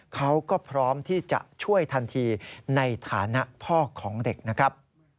เขาก็พร้อมที่จะช่วยทันทีในฐานะพ่อของเด็กนะครับ